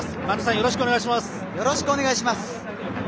播戸さん、よろしくお願いします。